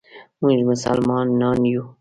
مونږ مسلمانان یو.